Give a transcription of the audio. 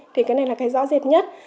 thì cái này là cái rõ dệt nhất